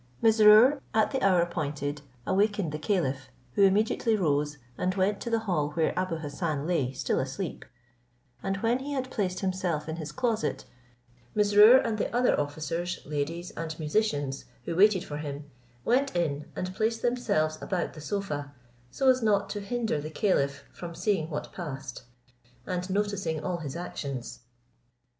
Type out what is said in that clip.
Mesrour, at the hour appointed, awakened the caliph, who immediately rose, and went to the hall where Abou Hassan lay still asleep, and when he had placed himself in his closet, Mesrour and the other officers, ladies, and musicians, who waited for him, went in, and placed themselves about the sofa, so as not to hinder the caliph from seeing what passed, and noticing all his actions.